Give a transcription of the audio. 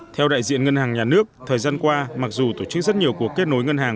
theo đại diện ngân hàng nhà nước thời gian qua mặc dù tổ chức rất nhiều cuộc kết nối ngân hàng